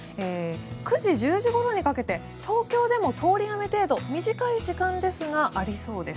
９時、１０時ごろにかけて東京でも通り雨程度短い時間ですがありそうです。